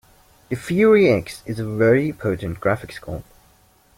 The Fury X is a very potent graphics card.